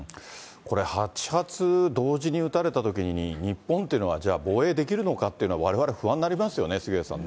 これ、８発同時に撃たれたときに、日本っていうのはじゃあ、防衛できるのかというのはわれわれ不安になりますよね、杉上さん